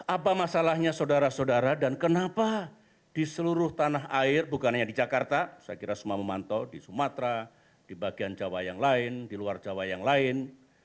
apa masalahnya saudara saudara dan kenapa di seluruh tanah air bukan hanya di jakarta saya kira semua memantau di sumatera di bagian jawa yang lain di luar jawa yang lain